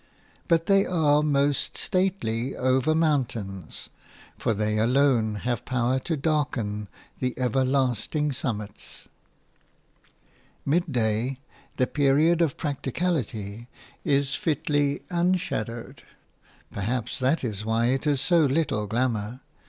But they are most stately over mountains, for they alone have power to darken the everlasting summits. Midday, the period of practicality, is fitly unshadowed; perhaps that is why it has so little glamour.